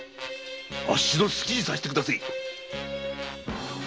あっしの好きにさせてくだせえ。